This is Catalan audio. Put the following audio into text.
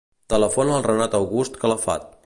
Telefona al Renat August Calafat.